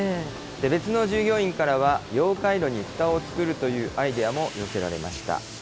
別の従業員からは溶解炉にふたを作るというアイデアも寄せられました。